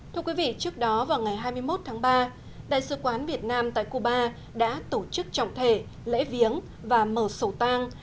thưa quý vị trước đó vào ngày hai mươi một tháng ba đại sứ quán việt nam tại cuba đã tổ chức trọng thể lễ viếng và mở sổ tang